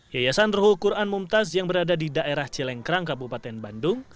yayasan ruhul quran mumtaz yang berada di daerah cilengkrang kabupaten bandung